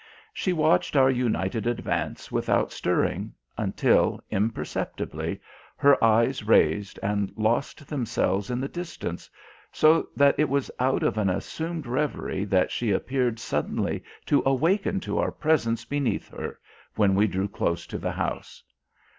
She watched our united advance without stirring, until, imperceptibly, her eyes raised and lost themselves in the distance, so that it was out of an assumed reverie that she appeared suddenly to awaken to our presence beneath her when we drew close to the house.